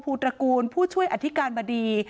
ตระกูลผู้ช่วยอธิการบดี